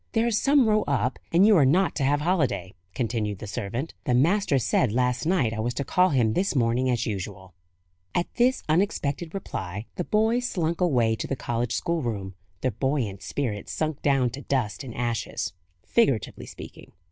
"There's some row up, and you are not to have holiday," continued the servant; "the master said last night I was to call him this morning as usual." At this unexpected reply, the boys slunk away to the college schoolroom, their buoyant spirits sunk down to dust and ashes figuratively speaking.